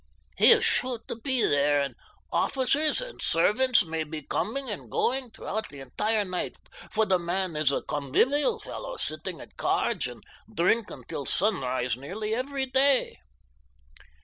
"He is sure to be there and officers and servants may be coming and going throughout the entire night, for the man is a convivial fellow, sitting at cards and drink until sunrise nearly every day."